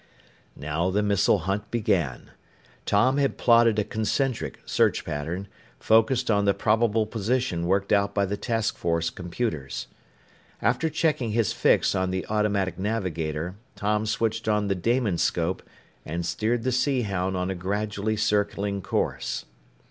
Now the missile hunt began. Tom had plotted a concentric search pattern, focused on the probable position worked out by the task force computers. After checking his fix on the automatic navigator, Tom switched on the Damonscope and steered the Sea Hound on a gradually circling course.